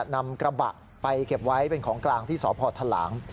นำกระบะไปเก็บไว้เป็นของกลางที่สพทหลาง